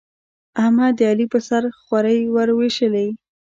احمد، د علي پر سر خورۍ ور واېشولې.